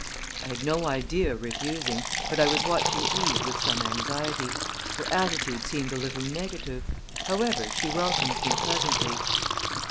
I had no idea of refusing, but I was watching Eve with some anxiety. Her attitude seemed a little negative. However, she welcomed me pleasantly.